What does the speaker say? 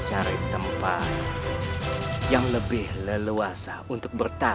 paman harga dana